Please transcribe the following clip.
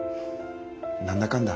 何だかんだ